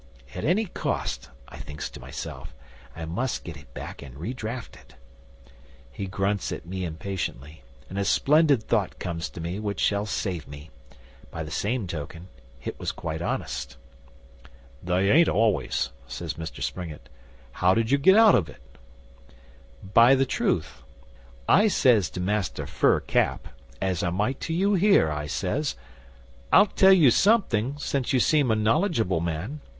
At any cost, I thinks to myself, I must get it back and re draft it. He grunts at me impatiently, and a splendid thought comes to me, which shall save me. By the same token, It was quite honest.' 'They ain't always,' says Mr Springett. 'How did you get out of it?' 'By the truth. I says to Master Fur Cap, as I might to you here, I says, "I'll tell you something, since you seem a knowledgeable man.